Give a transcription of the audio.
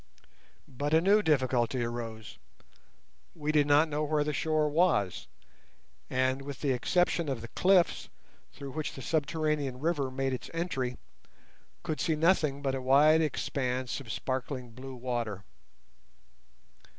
But a new difficulty arose. We did not know where the shore was, and, with the exception of the cliffs through which the subterranean river made its entry, could see nothing but a wide expanse of sparkling blue water.